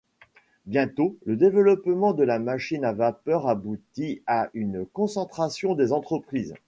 Bientôt, le développement de la machine à vapeur aboutit à une concentration des entreprises.